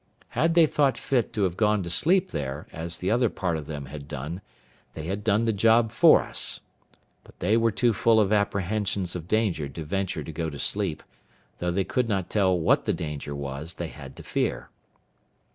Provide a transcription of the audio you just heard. Had they thought fit to have gone to sleep there, as the other part of them had done, they had done the job for us; but they were too full of apprehensions of danger to venture to go to sleep, though they could not tell what the danger was they had to fear.